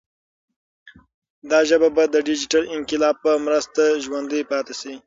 دا ژبه به د ډیجیټل انقلاب په مرسته ژوندۍ پاتې شي.